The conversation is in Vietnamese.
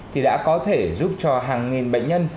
thì đã có thể giúp cho hàng nghìn bệnh nhân